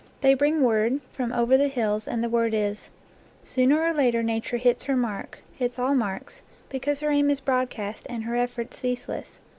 They bring word from over the hills, and the word is: "Sooner or later Nature hits her mark, hits all marks, be cause her aim is broadcast and her efforts ceaseless.